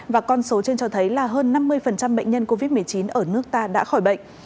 và con số trên cho thấy là hơn năm mươi bệnh nhân covid một mươi chín ở nước ta đã khỏi bệnh